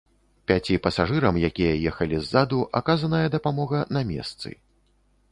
Пяці пасажырам, якія ехалі ззаду, аказаная дапамога на месцы.